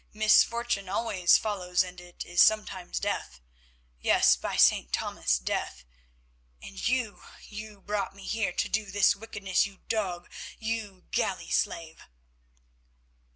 "Misfortune always follows, and it is sometimes death—yes, by St. Thomas, death. And you, you brought me here to do this wickedness, you dog, you galley slave!"